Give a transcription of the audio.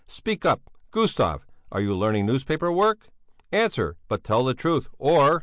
Speak up, Gustav, are you learning newspaper work? Answer, but tell the truth, or...."